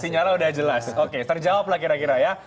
sinyalnya udah jelas oke terjawab lah kira kira ya